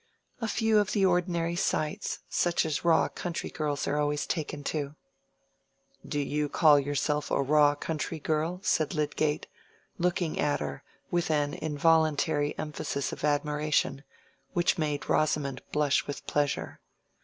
"A few of the ordinary sights, such as raw country girls are always taken to." "Do you call yourself a raw country girl?" said Lydgate, looking at her with an involuntary emphasis of admiration, which made Rosamond blush with pleasure.